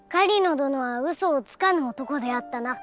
どのは嘘をつかぬ男であったな。